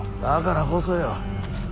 だからこそよ。